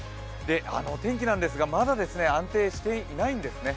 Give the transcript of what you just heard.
天気なんですが、まだ安定していないんですね。